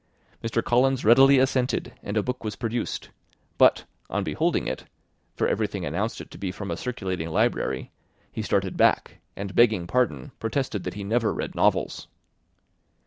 Mr. Collins readily assented, and a book was produced; but on beholding it (for everything announced it to be from a circulating library) he started back, and, begging pardon, protested that he never read novels.